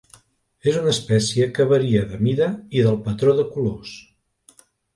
És una espècie que varia de mida i del patró de colors.